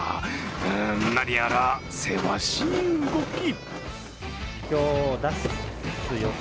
うん、何やらせわしい動き。